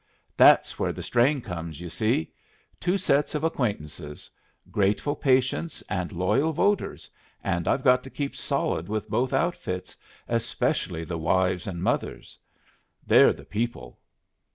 "That's where the strain comes, you see. Two sets of acquaintances. Grateful patients and loyal voters, and I've got to keep solid with both outfits, especially the wives and mothers. They're the people.